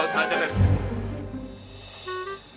lo saja dari sini